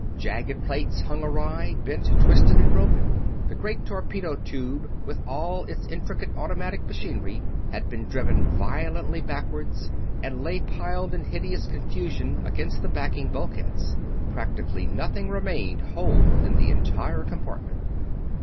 Jagged plates hung awry; bent, twisted and broken. The great torpedo tube, with all its intricate automatic machinery, had been driven violently backward and lay piled in hideous confusion against the backing bulkheads. Practically nothing remained whole in the entire compartment.